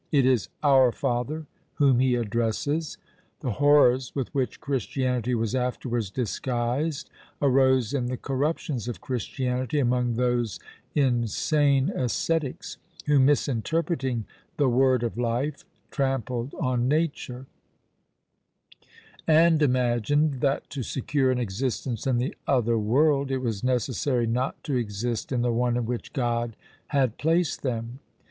It is "Our Father!" whom he addresses. The horrors with which Christianity was afterwards disguised arose in the corruptions of Christianity among those insane ascetics who, misinterpreting "the Word of Life," trampled on nature; and imagined that to secure an existence in the other world it was necessary not to exist in the one in which God had placed them.